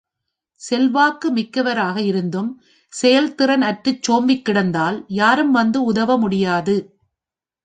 செல்வாக்கு மிக்கவராக இருந்தும் செயல்திறன் அற்றுச் சோம்பிக் கிடந்தால் யாரும் வந்து உதவ முடியாது.